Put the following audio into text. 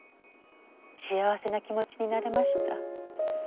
幸せな気持ちになれました。